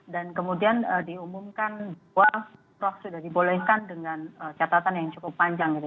dan kemudian diumumkan bahwa umroh sudah dibolehkan dengan catatan yang cukup panjang